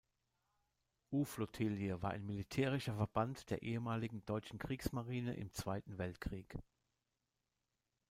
U-Flottille, war ein militärischer Verband der ehemaligen deutschen Kriegsmarine im Zweiten Weltkrieg.